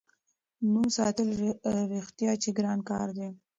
نوم ساتل رښتیا چې ګران کار دی.